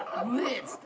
っつった。